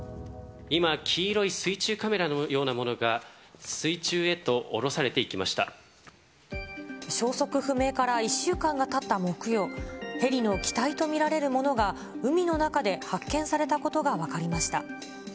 今、黄色い水中カメラのようなものが、消息不明から１週間がたった木曜、ヘリの機体と見られるものが、海の中で発見されたことが分かりました。